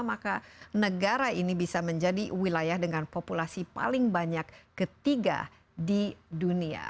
maka negara ini bisa menjadi wilayah dengan populasi paling banyak ketiga di dunia